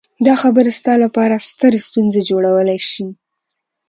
دا خبرې ستا لپاره سترې ستونزې جوړولی شي